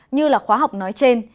như là khóa học nói trên